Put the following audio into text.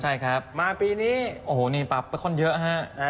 ใช่ครับมาปีนี้โอ้โหนี่ปรับไปค่อนเยอะฮะ